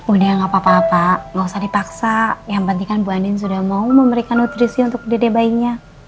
udah gak apa apa nggak usah dipaksa yang penting kan bu anin sudah mau memberikan nutrisi untuk dede bayinya